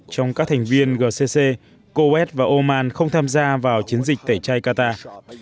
trong các thành viên gcc coes và oman không tham gia vào chiến dịch tẩy chay qatar